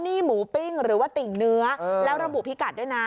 นี่หมูปิ้งหรือว่าติ่งเนื้อแล้วระบุพิกัดด้วยนะ